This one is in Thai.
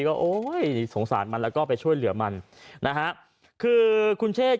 ก็โอ้ยสงสารมันแล้วก็ไปช่วยเหลือมันนะฮะคือคุณเชษ